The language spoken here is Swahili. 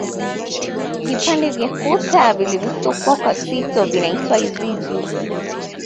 Vipande vya kuta vilivyosukwa kwa sito vinaitwa izizi